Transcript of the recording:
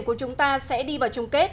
của chúng ta sẽ đi vào chung kết